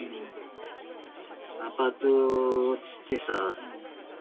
アパート移ってさ